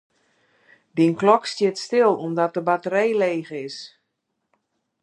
Dyn klok stiet stil, omdat de batterij leech is.